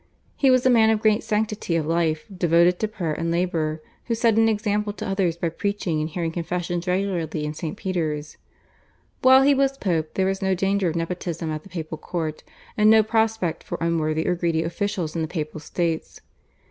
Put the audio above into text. He was a man of great sanctity of life, devoted to prayer and labour, who set an example to others by preaching and hearing confessions regularly in St. Peter's. While he was Pope there was no danger of nepotism at the papal court, and no prospect for unworthy or greedy officials in the Papal States.